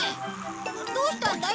どうしたんだい？